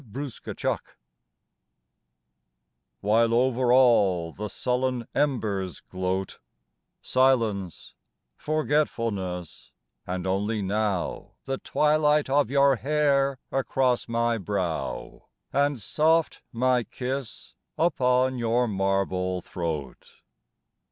XXXVIII TOO LATE WHILE over all the sullen embers gloat, Silence, forgetfulness, and only now The twilight of your hair across my brow, And soft my kiss upon your marble throat.